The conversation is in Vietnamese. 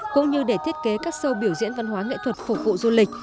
cũng như để thiết kế các show biểu diễn văn hóa nghệ thuật phục vụ du lịch